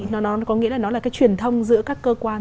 nó có nghĩa là nó là cái truyền thông giữa các cơ quan